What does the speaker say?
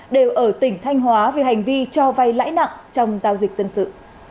đều ở tỉnh thanh hóa về hành vi cho vay lãi nặng trong giao dịch dân sự